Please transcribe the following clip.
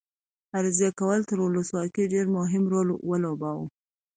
عریضه کول تر ولسواکۍ ډېر مهم رول ولوباوه.